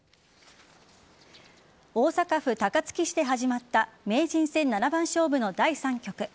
大阪府高槻市で始まった名人戦七番勝負の第３局。